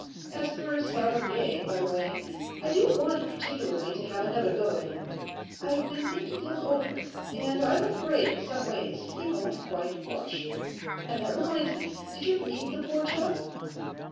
As for Sabathier, by the way, I do want particularly to have another go at him. I've been thinking him over, and I'm afraid in some ways he won't quite wash. And that reminds me, did you read the poor chap?